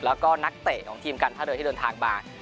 แล้วก็นักเตะของทีมการท่าเรือที่เดินทางมา